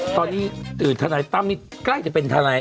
ตอนนี้ทนายตั้มนี่ใกล้จะเป็นทนาย